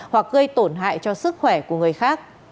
hoặc gây tổn hại cho sức khỏe của người khác